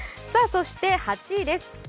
そして８位です。